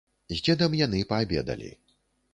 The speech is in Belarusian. З дзедам яны паабедалі.